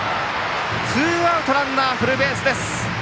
ツーアウトランナーフルベースです。